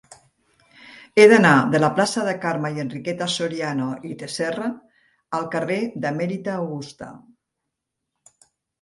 He d'anar de la plaça de Carme i Enriqueta Soriano i Tresserra al carrer d'Emèrita Augusta.